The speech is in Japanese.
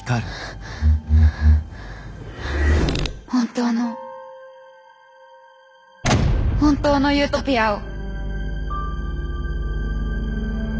本当の本当のユートピアを。